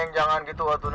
neng jangan begitu